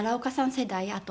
世代あと